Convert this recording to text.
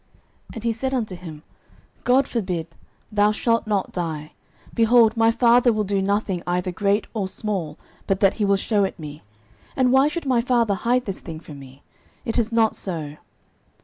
09:020:002 And he said unto him, God forbid; thou shalt not die: behold, my father will do nothing either great or small, but that he will shew it me: and why should my father hide this thing from me? it is not so.